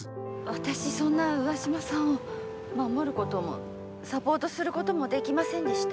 私、そんな上嶋さんを守ることもサポートすることもできませんでした。